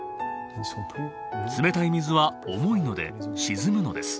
冷たい水は重いので沈むのです。